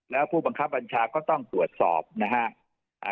แล้วผู้บังคับบัญชาก็ต้องตรวจสอบนะฮะ